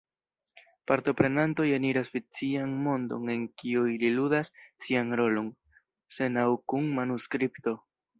Partoprenantoj eniras fikcian mondon en kio ili ludas sian rolon, sen aŭ kun manuskripto.